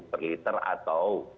per liter atau